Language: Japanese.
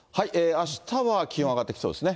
あしたは気温上がってきそうですね。